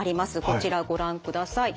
こちらご覧ください。